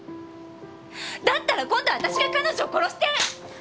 だったら今度は私が彼女を殺して！